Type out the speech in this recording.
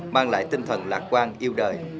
mang lại tinh thần lạc quan yêu đời